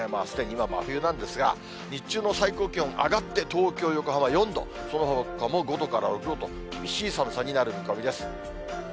すでに真冬なんですが、日中の最高気温、上がって東京、横浜４度、そのほかも５度から６度と、厳しい寒さになる見込みです。